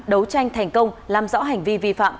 đấu tranh thành công làm rõ hành vi vi phạm